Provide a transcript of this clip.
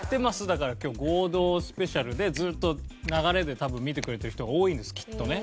だから今日合同スペシャルでずっと流れで多分見てくれてる人が多いんですきっとね。